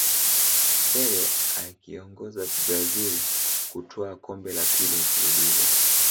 pele akiiongoza brazil kutwaa kombe la pili mfululizo